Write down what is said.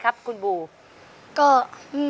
ออกมาได้